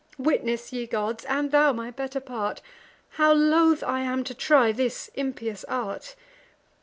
Witness, ye gods, and thou my better part, How loth I am to try this impious art!